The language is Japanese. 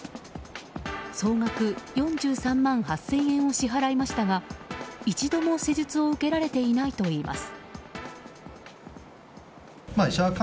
総額４３万８０００円を支払いましたが一度も施術を受けられていないといいます。